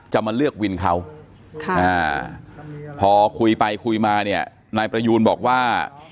จะมาเลือกวินเขาพอคุยไปคุยมาเนี่ยนายประยูนบอกว่า